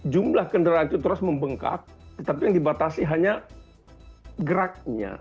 jumlah kendaraan itu terus membengkak tetapi yang dibatasi hanya geraknya